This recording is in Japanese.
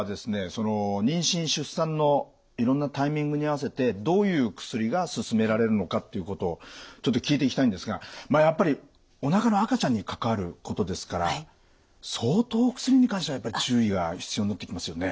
その妊娠・出産のいろんなタイミングに合わせてどういう薬がすすめられるのかっていうことをちょっと聞いていきたいんですがまあやっぱりおなかの赤ちゃんに関わることですから相当薬に関してはやっぱり注意が必要になってきますよね？